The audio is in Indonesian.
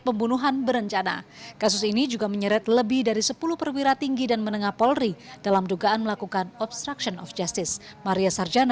pembunuhan brigadir yosua hutabara terjadi pada delapan hari